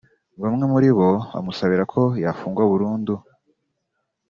Bamwe muri bo bamusabira ko yafungwa burundu